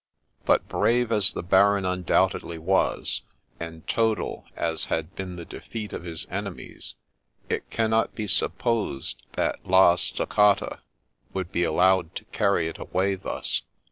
But, brave as the Baron undoubtedly was, and total as had been the defeat of his enemies, it cannot be supposed that La Stoccata would be allowed to carry it away thus.